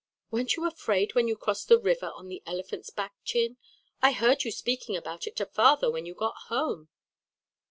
"Weren't you afraid when you crossed the river on the elephant's back, Chin? I heard you speaking about it to father when you got home."